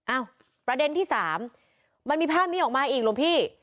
ประเด็นที่สามมันมีภาพนี้ออกมาอีกหลวงพี่